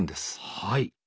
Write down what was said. はい。